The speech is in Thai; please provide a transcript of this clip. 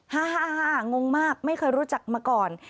ฮ่างงมากไม่เคยรู้จักมาก่อน